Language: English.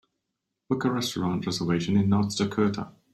Book a restaurant reservation in North Dakota